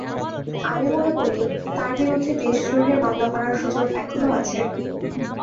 আমি মনে করি, তাঁর বিরুদ্ধে দেশদ্রোহের মামলা করার সুযোগ এখনো আছে।